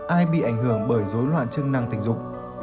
ai bị ảnh hưởng bởi dối loạn chức năng tình dục